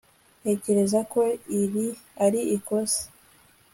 Ntekereza ko iri ari ikosa